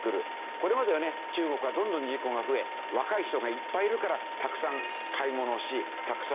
これまではね中国はどんどん人口が増え若い人がいっぱいいるからたくさん買い物をしたくさん働く。